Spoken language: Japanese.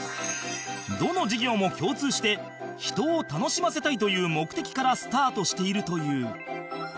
どの事業も共通して「人を楽しませたい」という目的からスタートしているという